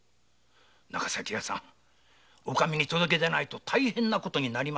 長崎屋さんお上に届けないと大変な事になりますよ。